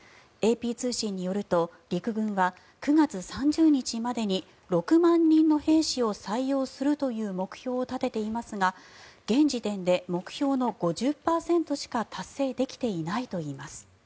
ＡＰ通信によると陸軍は９月３０日までに６万人の兵士を採用するという目標を立てていますが現時点で目標の５０％しか達成できていないといいます。